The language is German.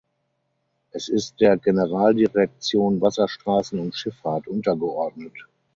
Es ist der Generaldirektion Wasserstraßen und Schifffahrt untergeordnet.